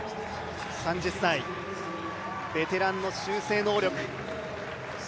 ３０歳、ベテランの修正能力。